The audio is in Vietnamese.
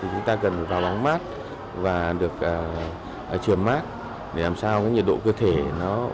chúng ta cần vào bóng mát và được trường mát để làm sao nhiệt độ cơ thể nó ổn định